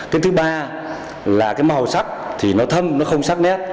cái thứ ba là cái màu sắc thì nó thân nó không sắc nét